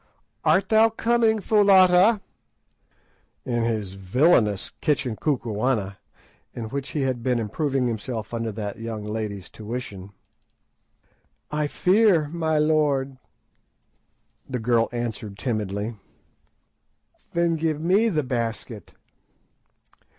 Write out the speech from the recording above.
"Art thou coming, Foulata?" asked Good in his villainous Kitchen Kukuana, in which he had been improving himself under that young lady's tuition. "I fear, my lord," the girl answered timidly. "Then give me the basket."